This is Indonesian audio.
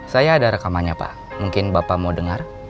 saya ada rekamannya pak mungkin bapak mau dengar